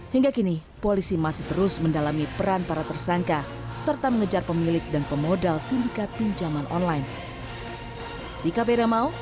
hingga kini polisi masih terus mendalami peran para tersangka serta mengejar pemilik dan pemodal sindikat pinjaman online